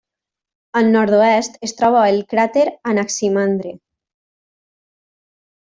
Al nord-oest es troba el cràter Anaximandre.